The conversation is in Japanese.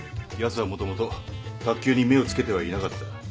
やつはもともと卓球に目を付けてはいなかった。